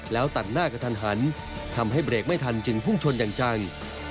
แล้วตัดหน้ากระทันหันทำให้เบรกไม่ทันจึงพุ่งชนอย่างจัง